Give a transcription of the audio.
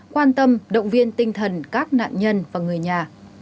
quan tâm động viên tinh thần các nạn nhân và người nhà